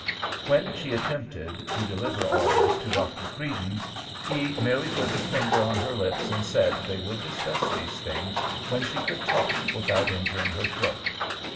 When she attempted to deliver all this to Doctor Creedon, he merely put his finger on her lips and said they would discuss these things when she could talk without injuring her throat.